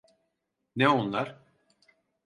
Ne onlar?